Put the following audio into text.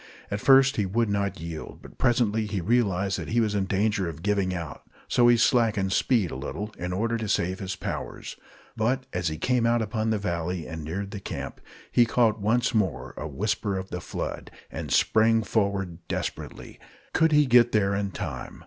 At first he would not yield; but presently he realized that he was in danger of giving out, so he slackened speed a little, in order to save his powers. But as he came out upon the valley and neared the camp, he caught once more a whisper of the flood, and sprang forward desperately. Could he get there in time?